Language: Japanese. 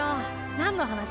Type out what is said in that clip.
何の話？